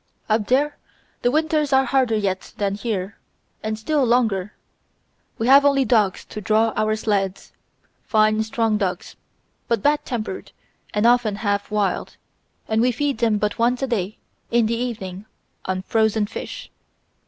"Up there the winters are harder yet than here, and still longer. We have only dogs to draw our sleds, fine strong dogs, but bad tempered and often half wild, and we feed them but once a day, in the evening, on frozen fish....